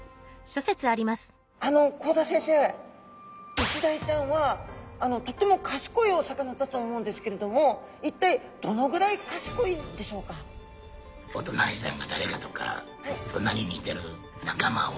イシダイちゃんはとっても賢いお魚だと思うんですけれども一体どのぐらい賢いんでしょうか？